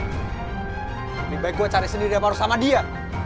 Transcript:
lebih baik gue cari sendiri yang lurus sama dia